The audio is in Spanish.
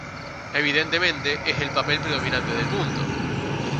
Evidentemente, es el papel predominante del punto.